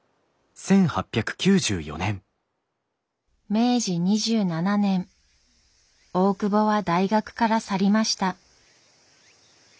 明治２７年大窪は大学から去りました。